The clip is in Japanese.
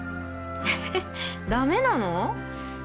えダメなの？